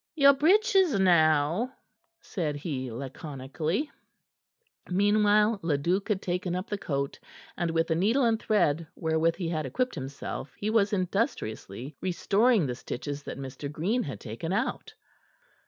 "Your breeches now," said he laconically. Meanwhile Leduc had taken up the coat, and with a needle and thread wherewith he had equipped himself he was industriously restoring the stitches that Mr. Green had taken out.